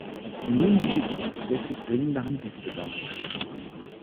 Nun besteht also tatsächlich dringender Handlungsbedarf.